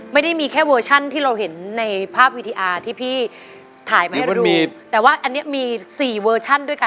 ไม่ได้มีแค่เวอร์ชันที่เราเห็นในภาพวีดีอาร์ที่พี่ถ่ายมาให้เราดูแต่ว่าอันนี้มีสี่เวอร์ชั่นด้วยกัน